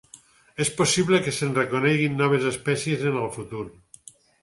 És possible que se'n reconeguin noves espècies en el futur.